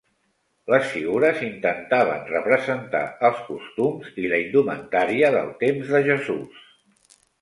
Les figures intentaven representar els costums i la indumentària del temps de Jesús.